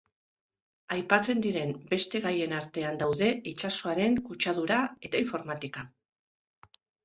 Aipatzen diren beste gaien artean daude itsasoaren kutsadura eta informatika.